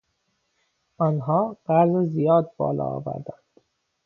آنها قرض زیاد بالا آوردند.